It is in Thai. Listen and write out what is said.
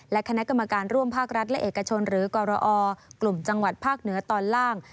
และคณะกรรมการร่วมภาครัฐและเอกชนหรือกรอกลุ่มจังหวัดภาคเหนือตอนล่าง